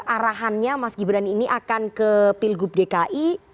arahannya mas gibran ini akan ke pilgub dki